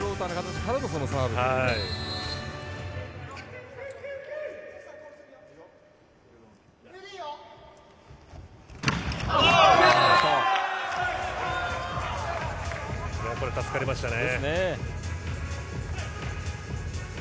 ここは助かりましたね。